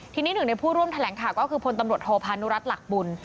ทีนี้หนึ่งในผู้ร่วมแถลงข่าวก็คือพลตำรวจโทพานุรัติหลักบุญ